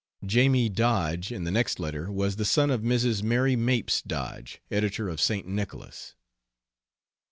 "Jamie" Dodge, in the next letter, was the son of Mrs. Mary Mapes Dodge, editor of St. Nicholas.